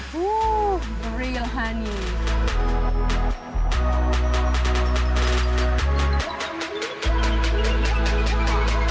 wow benar benar anjing